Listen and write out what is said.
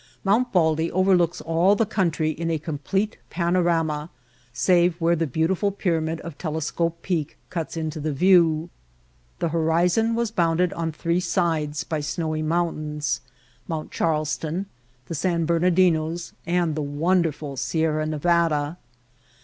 Mount Baldy overlooks all the country in a complete panorama, save where the beautiful pyramid of Telescope Peak cuts into the view. The horizon was bounded on three sides by snow mountains. Mount Charleston, the San Bernadinos and the wonderful Sierra Nevada.